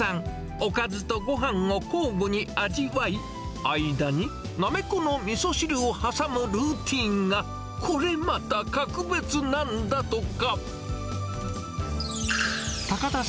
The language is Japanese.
おかずとごはんを交互に味わい、間になめこのみそ汁を挟むルーティンが、これまた格別なんだとか。